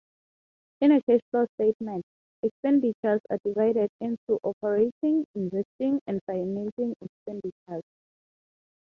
In a cash flow statement, expenditures are divided into operating, investing, and financing expenditures.